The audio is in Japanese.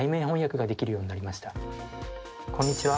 こんにちは。